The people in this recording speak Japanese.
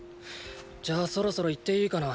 じゃあそろそろ行っていいかな。